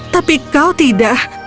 tapi kau tidak